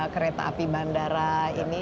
kereta api bandara ini